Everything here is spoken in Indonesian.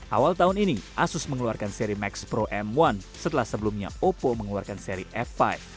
awal tahun ini asus mengeluarkan seri max pro m satu setelah sebelumnya oppo mengeluarkan seri f lima